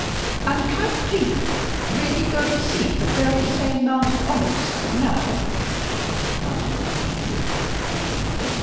"And can people really go and see the very same Mount of Olives now?" asked Malcolm, eagerly.